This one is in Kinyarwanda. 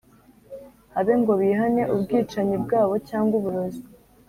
habe ngo bihane ubwicanyi bwabo cyangwa uburozi,